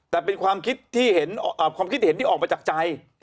แต่เป็นความคิดที่เห็นความคิดเห็นที่ออกมาจากใจ